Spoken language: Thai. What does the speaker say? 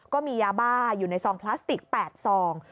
ก็มียาบ้าอยู่ในซองพลาสติก๘ซอง